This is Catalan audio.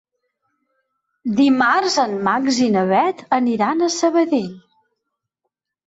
Dimarts en Max i na Bet aniran a Sabadell.